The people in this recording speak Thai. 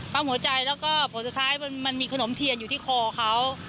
หัวใจแล้วก็ผลสุดท้ายมันมีขนมเทียนอยู่ที่คอเขา